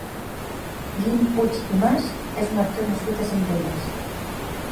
Guim Puig i Mas és un actor nascut a Centelles.